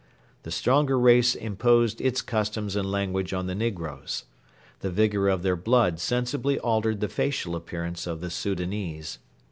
The stronger race imposed its customs and language on the negroes. The vigour of their blood sensibly altered the facial appearance of the Soudanese.